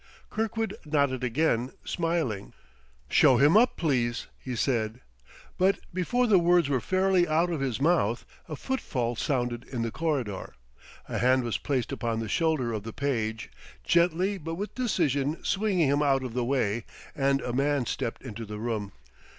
Kirkwood nodded again, smiling. "Show him up, please," he said. But before the words were fairly out of his mouth a footfall sounded in the corridor, a hand was placed upon the shoulder of the page, gently but with decision swinging him out of the way, and a man stepped into the room.